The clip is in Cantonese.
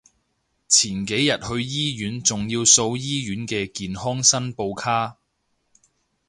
前幾日去醫院仲要掃醫院嘅健康申報卡